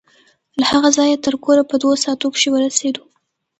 له هغه ځايه تر کوره په دوو ساعتو کښې ورسېدو.